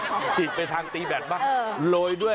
อ้าวฉีกไปทางตีแบดบ้างโรยด้วย